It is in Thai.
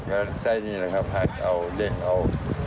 ใส่นี่แหละครับเอาเด็กเอา